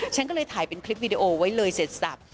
ฉันก็เลยถ่ายเป็นคลิปวีดีโอไว้เลยเสร็จสับ